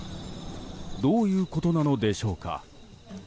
どういうことなのでしょうか。